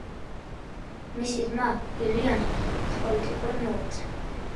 მისი ძმა ივლიანე ხაინდრავა, არის აგრეთვე პოლიტიკური მოღვაწე.